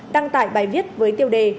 đăng tải bài viết với tiêu đề